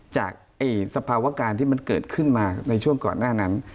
จากสภาวะการที่มันเกิดขึ้นมาในช่วงก่อนหน้านั้น